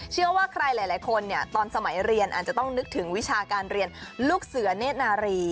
เชื่อว่าใครหลายคนเนี่ยตอนสมัยเรียนอาจจะต้องนึกถึงวิชาการเรียนลูกเสือเนธนารี